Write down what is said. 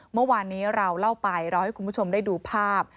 เมื่อวานนี้เราเล่าไปเราให้คุณผู้ชมได้ดูภาพ